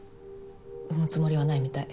産むつもりはないみたい。